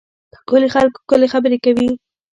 ښکلي خلک ښکلې خبرې کوي.